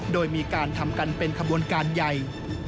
โดยมีการทำกันเป็นขบวนการใหญ่